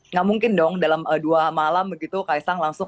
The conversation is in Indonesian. nggak mungkin dong dalam dua malam begitu kaisang langsung